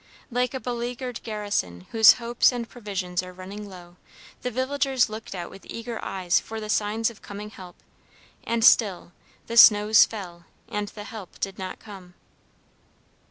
Like a beleaguered garrison, whose hopes and provisions are running low, the villagers looked out with eager eyes for the signs of coming help, and still the snows fell, and the help did not come.